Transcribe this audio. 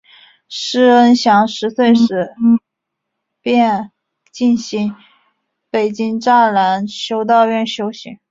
师恩祥十岁时便进入北京栅栏修道院修行。